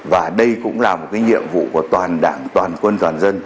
và đây cũng là một nhiệm vụ của toàn đảng toàn quân toàn dân